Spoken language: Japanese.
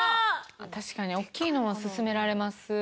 確かに大きいのは勧められますけど。